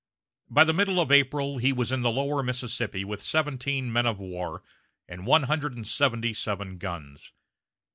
By the middle of April he was in the lower Mississippi with seventeen men of war and one hundred and seventy seven guns.